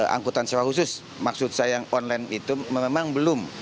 angkutan sewa khusus maksud saya yang online itu memang belum